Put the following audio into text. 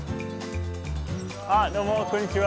あどうもこんにちは。